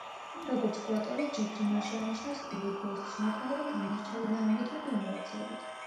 როგორც კურატორი ჯეფრი მარში აღნიშნავს, დევიდ ბოუის შემოქმედება გამორჩეულია მუდმივი ინოვაციებით.